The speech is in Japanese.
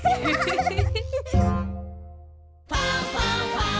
「ファンファンファン」